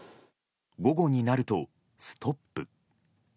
午後になるとストップ。